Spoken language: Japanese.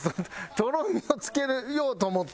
とろみを付けようと思って。